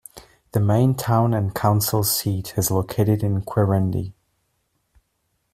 The main town and Council seat is located in Quirindi.